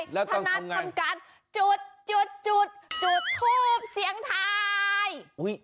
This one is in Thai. ถนัดทำการจุดจุดจุดจุดทูบเสียงไทย